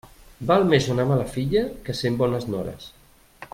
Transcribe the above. Val més una mala filla que cent bones nores.